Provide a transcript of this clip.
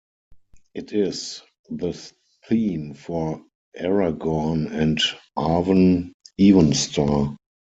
It is the theme for Aragorn and Arwen Evenstar.